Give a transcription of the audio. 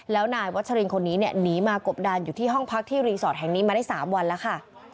แล้วนายวัชรินคนนี้เนี่ยหนีมากบดานอยู่ที่ห้องพักที่รีสอร์ทแห่งนี้มาได้๓วันแล้วค่ะ